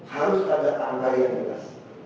harus ada angka yang jelas